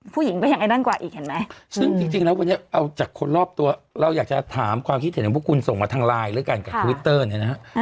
ผู้หญิงก็ยังไอ้นั่นกว่าอีกเห็นไหมซึ่งจริงแล้ววันนี้เอาจากคนรอบตัวเราอยากจะถามความคิดเห็นของพวกคุณส่งมาทางไลน์ด้วยกันกับทวิตเตอร์เนี่ยนะฮะ